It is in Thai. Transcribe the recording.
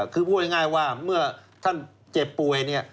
คือพูดง่ายว่าเมื่อท่านเจ็บป่วยเนี่ย